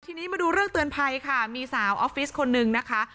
ทีนี้มาดูเรื่องเตือนภัยค่ะมีสาวออฟฟิศคนนึงนะคะ